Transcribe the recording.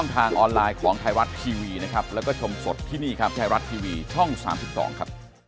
๓ตอนครับ